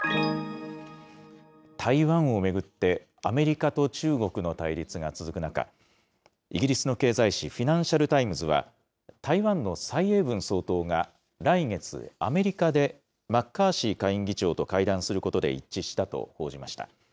台湾を巡って、アメリカと中国の対立が続く中、イギリスの経済紙、フィナンシャル・タイムズは、台湾の蔡英文総統が、来月アメリカでマッカーシー下院議長と会談することで一致したと報じました。